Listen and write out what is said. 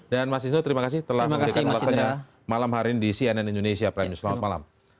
dan mas isno terima kasih telah memberikan ulasannya malam hari ini di cnn indonesia premium selamat malam